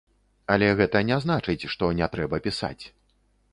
Але гэта не значыць, што не трэба пісаць.